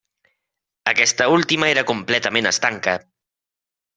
Aquesta última era completament estanca.